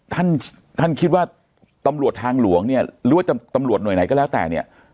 ท่านท่านคิดว่าตำรวจทางหลวงเนี่ยหรือว่าตำรวจหน่วยไหนก็แล้วแต่เนี่ย